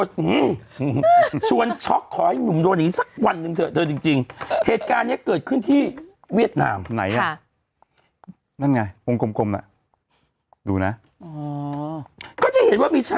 ก็จะเห็นว่ามีชายว่าอะไรโอ้โฮโอ้โฮ